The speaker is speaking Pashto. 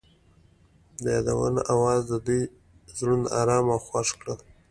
د یادونه اواز د دوی زړونه ارامه او خوښ کړل.